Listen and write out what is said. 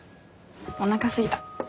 おなかすいた。